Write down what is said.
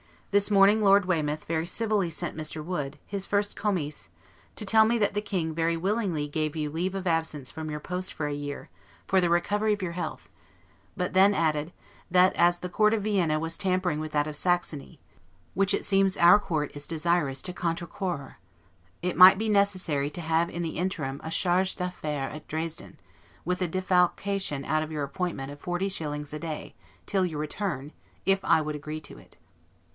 This morning Lord Weymouth very civilly sent Mr. Wood, his first 'commis', to tell me that the King very willingly gave you leave of absence from your post for a year, for the recovery of your health; but then added, that as the Court of Vienna was tampering with that of Saxony, which it seems our Court is desirous to 'contrequarrer', it might be necessary to have in the interim a 'Charge d'Affaires' at Dresden, with a defalcation out of your appointments of forty shillings a day, till your return, if I would agree to it.